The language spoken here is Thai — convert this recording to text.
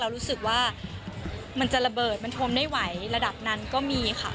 รู้สึกว่ามันจะระเบิดมันทมได้ไหวระดับนั้นก็มีค่ะ